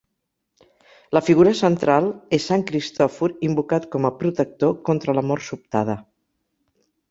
La figura central és sant Cristòfor invocat com a protector contra la mort sobtada.